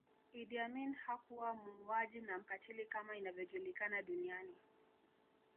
Idi Amin hakuwa muuaji na mkatili kama inavyojulikana duniani